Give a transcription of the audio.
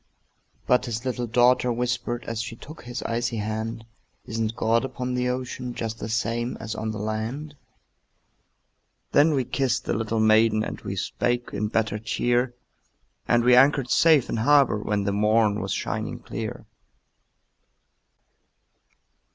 But his little daughter whispered, As she took his icy hand, "Isn't God upon the ocean, Just the same as on the land?" Then we kissed the little maiden, And we spake in better cheer, And we anchored safe in harbor When the morn was shining clear.